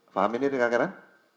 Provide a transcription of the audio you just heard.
faham ini dengan keren